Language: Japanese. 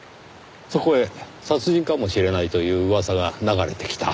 そこへ殺人かもしれないという噂が流れてきた。